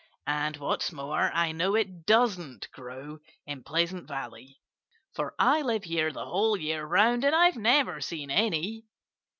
And what's more, I know it doesn't grow in Pleasant Valley, for I live here the whole year round and I've never seen any."